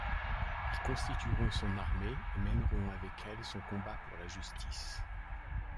Ils constitueront son armée et mèneront avec elle son combat pour la justice.